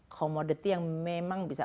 komoditi yang memang bisa